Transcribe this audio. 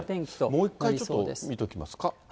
もう一回、ちょっと見ときますか。